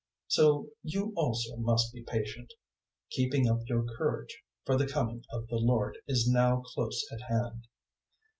005:008 So you also must be patient: keeping up your courage; for the Coming of the Lord is now close at hand.